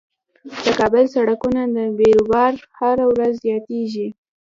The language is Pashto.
د کابل سړکونو کې بیروبار هر ورځ زياتيږي.